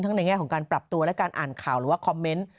ในแง่ของการปรับตัวและการอ่านข่าวหรือว่าคอมเมนต์